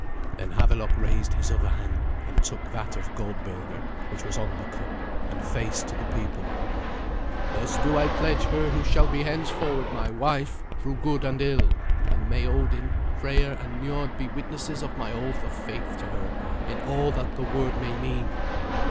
Then Havelok raised his other hand, and took that of Goldberga, which was on the cup, and faced to the people. "Thus do I pledge her who shall be henceforward my wife through good and ill; and may Odin, Freya, and Niord be witnesses of my oath of faith to her in all that the word may mean."